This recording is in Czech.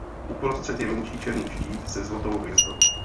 Uprostřed je menší černý štít se zlatou hvězdou.